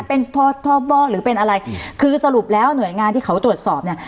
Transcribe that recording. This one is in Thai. เป็นพ่อท่อบ่อหรือเป็นอะไรคือสรุปแล้วหน่วยงานที่เขาตรวจสอบเนี่ย